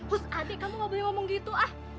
hush adik kamu nggak boleh ngomong gitu ah